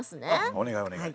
お願いお願い。